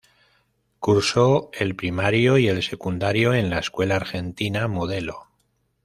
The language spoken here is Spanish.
Cursó el primario y el secundario en la Escuela Argentina Modelo.